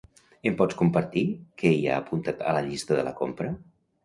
Em pots compartir què hi ha apuntat a la llista de la compra?